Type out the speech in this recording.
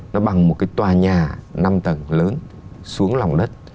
nó bằng một cái tòa nhà năm tầng lớn xuống lòng đất